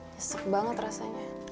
nyesek banget rasanya